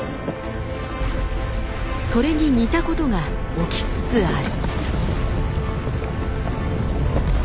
それに似たことが起きつつある。